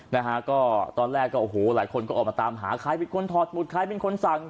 นะฮะก็ตอนแรกอะหูหลายคนก็ออกมาตามหาใครผิดค้นถอดหมุดใครเป็นคนสั่ง